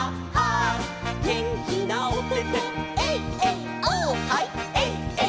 「げんきなおててエイエイオーッ」「ハイ」「」